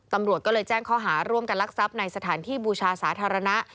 ตำรวจก็เลยแจ้งข้อหาร่วมกันลักทรัพย์ในสถานที่บูชาสาธารณะ